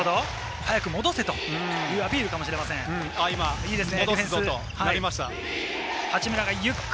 早く戻せというアピールかもしれませんね。